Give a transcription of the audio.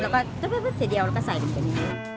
แล้วก็เสียเดียวแล้วก็ใส่เป็นกระปุ่ง